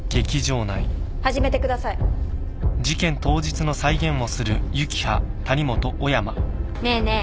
始めてください。ねえねえ。